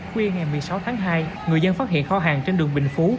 khuya ngày một mươi sáu tháng hai người dân phát hiện kho hàng trên đường bình phú